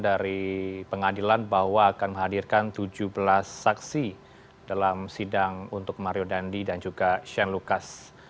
dari pengadilan bahwa akan menghadirkan tujuh belas saksi dalam sidang untuk mario dandi dan juga shane lucas